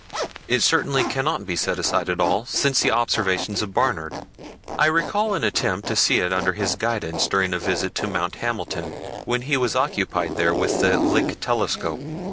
It certainly cannot be set aside at all since the observations of Barnard. I recall an attempt to see it under his guidance during a visit to Mount Hamilton, when he was occupied there with the Lick telescope.